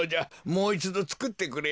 もういちどつくってくれ。